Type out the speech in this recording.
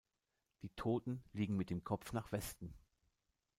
Die Toten liegen mit dem Kopf nach Westen.